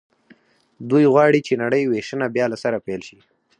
دوی غواړي چې نړۍ وېشنه بیا له سره پیل شي